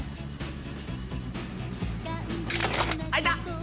あいたっ！